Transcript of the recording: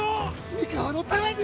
三河のために！